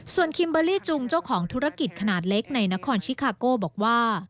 ส่วนคิมเบอร์รี่จุงเจ้าของธุรกิจขนาดเล็กในนครชิคาโก้บอกว่า